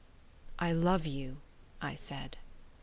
"I love you," I said.